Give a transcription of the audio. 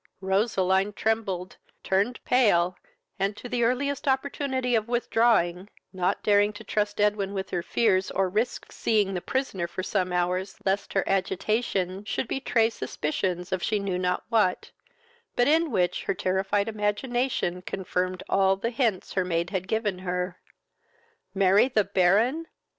Roseline trembled, turned pale, and to the earliest opportunity of withdrawing, not daring to trust Edwin with her fears, or risk feeing the prisoner for some hours, lest her agitation should betray suspicions of she knew not what, but in which her terrified imagination confirmed all the hints her maid had given her. Marry the Baron!